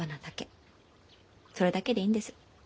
それだけでいいんです。